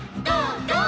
「ゴー！